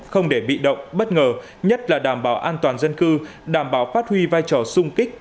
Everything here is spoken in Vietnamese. không để bị động bất ngờ nhất là đảm bảo an toàn dân cư đảm bảo phát huy vai trò sung kích